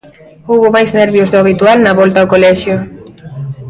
Houbo máis nervios do habitual na volta ao colexio.